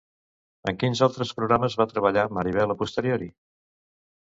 En quins altres programes va treballar Maribel a posteriori?